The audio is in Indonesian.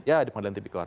ya pengadilan tipikor